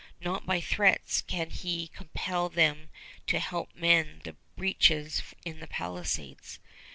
Not by threats can he compel them to help mend the breaches in the palisades.